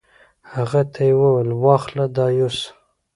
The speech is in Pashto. هغه ته یې وویل: واخله دا یوسه.